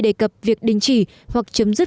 đề cập việc đình chỉ hoặc chấm dứt